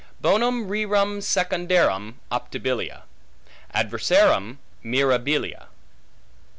Bona rerum secundarum optabilia; adversarum mirabilia.